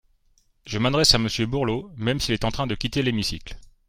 Je m’adresse à Monsieur Borloo, même s’il est en train de quitter l’hémicycle.